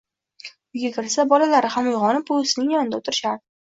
Uyga kirsa, bolalari ham uyg`onib, buvisining yonida o`tirishardi